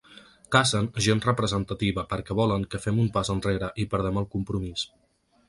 Cacen gent representativa, perquè volen que fem un pas enrere i perdem el compromís.